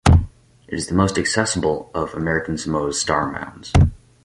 It is the most accessible of American Samoa’s star mounds.